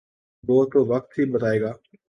وہ تو وقت ہی بتائے گا۔